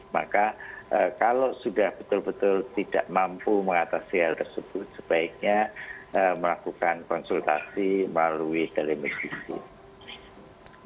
maka kalau sudah betul betul tidak mampu mengatasi hal tersebut sebaiknya melakukan konsultasi melalui telemedicine